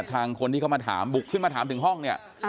คนที่เขามาถามบุกขึ้นมาถามถึงห้องเนี่ย